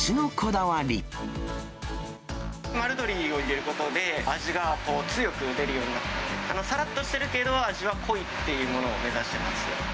丸鶏を入れることで、味が強く出るようになって、さらっとしてるけど味は濃いっていうものを目指してます。